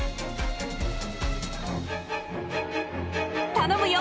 頼むよ